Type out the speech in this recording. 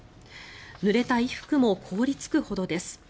ぬれた衣服も凍りつくほどです。